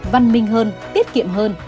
văn minh hơn tiết kiệm hơn